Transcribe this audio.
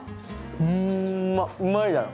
うまっうまいだろ？